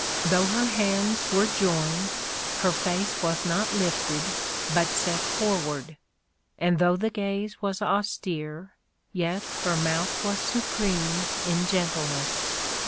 Though her hands were joined, her face was not lifted, but set forward ; and though the gaze was austere, yet her mouth was supreme in gentleness.